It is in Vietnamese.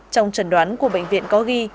trong trần đoán của bệnh viện có ghi